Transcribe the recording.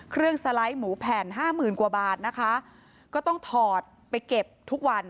สไลด์หมูแผ่นห้าหมื่นกว่าบาทนะคะก็ต้องถอดไปเก็บทุกวัน